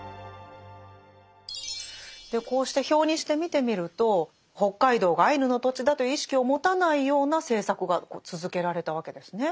こうして表にして見てみると北海道がアイヌの土地だという意識を持たないような政策が続けられたわけですね。